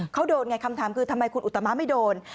เขาโดนไงคำถามคือทำไมคุณอุตมะไม่โดน